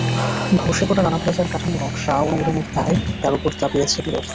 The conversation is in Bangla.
ধসে পড়া রানা প্লাজার কাঠামো নকশা অনুমোদনের দায় তাঁর ওপর চাপিয়েছে দুদক।